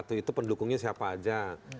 di dua pendukungnya siapa aja